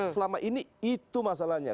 selama ini itu masalahnya